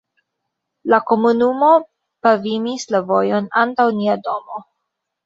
la komunumo pavimis la vojon antaŭ nia domo.